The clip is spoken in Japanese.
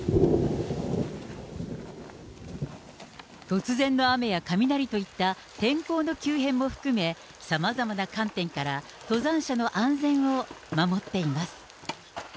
突然の雨や雷といった天候の急変も含め、さまざまな観点から登山者の安全を守っています。